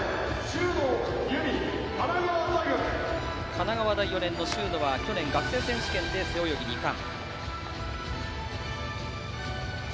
神奈川大４年の秀野は去年、学生選手権で背泳ぎ２冠。